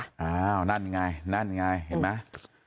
อ้าวนั่นไงนั่นไงเห็นไหม